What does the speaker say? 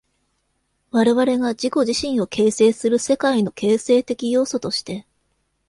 我々が自己自身を形成する世界の形成的要素として、